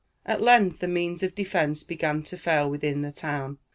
At length the means of defence began to fail within the town.